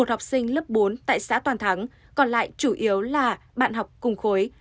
một học sinh lớp bốn tại xã toàn thắng còn lại chủ yếu là bạn học cùng khối